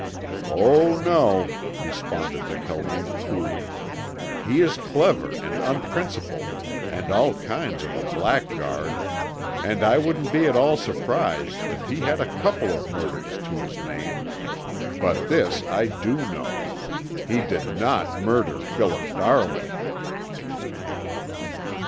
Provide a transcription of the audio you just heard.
"Oh, no," responded McKelvie, coolly, "he is clever and unprincipled, and all kinds of a blackguard, and I wouldn't be at all surprised if he had a couple of murders to his name, but this I do know. He did not murder Philip Darwin."